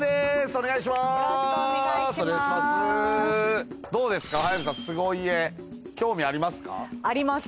そうですか。